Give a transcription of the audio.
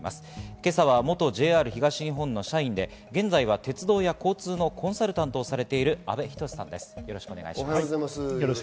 今朝は元ＪＲ東日本の社員で現在は鉄道や交通のコンサルタントをされている阿部等さんです。